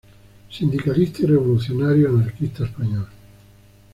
Sindicalista y revolucionario anarquista español.